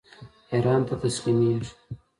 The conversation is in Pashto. ایران ته تسلیمیږي.